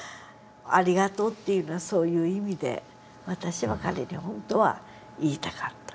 「ありがとう」っていうのはそういう意味で私は彼に本当は言いたかった。